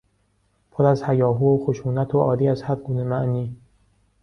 پر از هیاهو و خشونت و عاری از هر گونه معنی